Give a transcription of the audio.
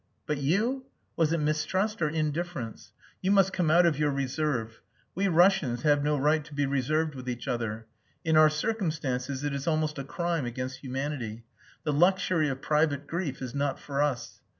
But you! Was it mistrust or indifference? You must come out of your reserve. We Russians have no right to be reserved with each other. In our circumstances it is almost a crime against humanity. The luxury of private grief is not for us.